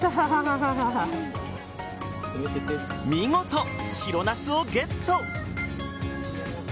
見事、白ナスをゲット。